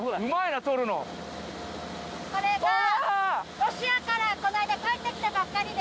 ロシアからこの間帰ってきたばっかりです。